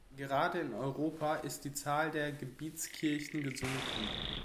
Gerade in Europa ist die Zahl der Gebietskirchen gesunken.